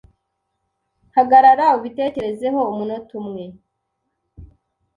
Hagarara ubitekerezeho umunota umwe.